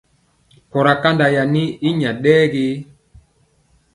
Mpɔra kandaa yi i yaŋgeya ɗɛ ge.